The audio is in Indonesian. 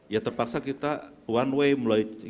ya terpaksa kita one way melalui